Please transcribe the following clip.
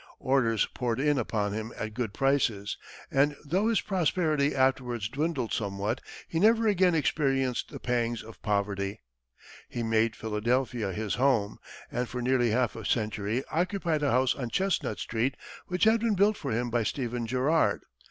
Orders poured in upon him at good prices; and though his prosperity afterwards dwindled somewhat, he never again experienced the pangs of poverty. He made Philadelphia his home, and for nearly half a century occupied a house on Chestnut Street which had been built for him by Stephen Girard.